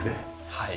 はい。